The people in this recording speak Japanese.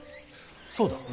そうだ。